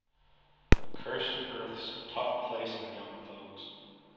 The Cursed Earth's a tough place on young folks.